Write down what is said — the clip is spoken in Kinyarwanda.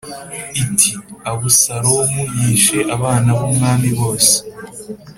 iti “Abusalomu yishe abana b’umwami bose